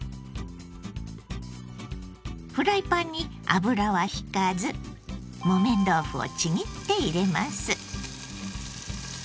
フライパンに油はひかず木綿豆腐をちぎって入れます。